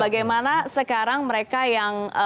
bagaimana sekarang mereka yang